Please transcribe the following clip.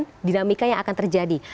dinamika yang akan terjadi